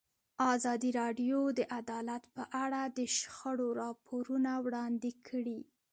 ازادي راډیو د عدالت په اړه د شخړو راپورونه وړاندې کړي.